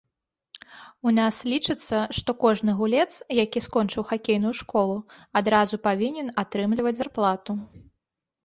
У нас лічыцца, што кожны гулец, які скончыў хакейную школу, адразу павінен атрымліваць зарплату.